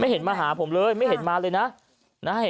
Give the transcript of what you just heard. เห็นมาหาผมเลยไม่เห็นมาเลยนะ